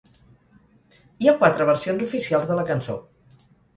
Hi ha quatre versions oficials de la cançó.